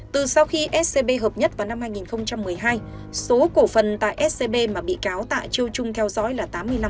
từ sau khi scb hợp nhất vào năm hai nghìn một mươi hai số cổ phần tại scb mà bị cáo tạ chu trung theo dõi là tám mươi năm